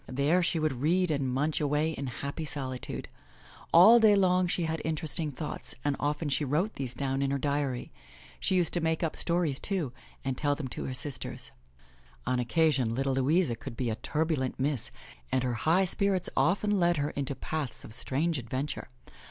There she would read and munch away in happy solitude. All day long she had interesting thoughts and often she wrote these down in her diary. She used to make up stories, too, and tell them to her sisters. On occasion, little Louisa could be a turbulent miss and her high spirits often led her into paths of strange adventure.